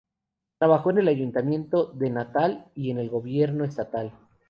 Trabajó en el ayuntamiento de Natal y en el gobierno estatal.